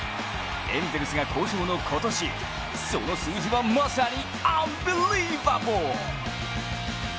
エンゼルスが好調の今年、その数字はまさにアンバリーバボー！